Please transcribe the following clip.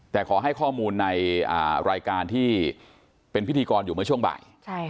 แต่ขอให้ข้อมูลในรายการที่เป็นพิธีกรอยู่เมื่อช่วงบ่าย